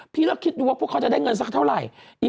เราคิดดูว่าพวกเขาจะได้เงินสักเท่าไหร่